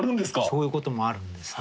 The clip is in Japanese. そういうこともあるんです。